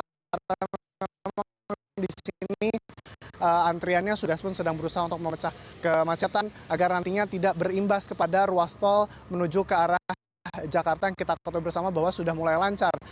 karena memang disini antriannya sudah sedang berusaha untuk memecah kemacetan agar nantinya tidak berimbas kepada ruas tol menuju ke arah jakarta yang kita kota bersama bahwa sudah mulai lancar